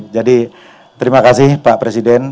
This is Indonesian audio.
jadi terima kasih pak presiden